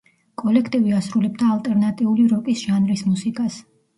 კოლექტივი ასრულებდა ალტერნატიული როკის ჟანრის მუსიკას.